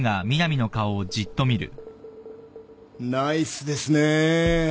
ナイスですね。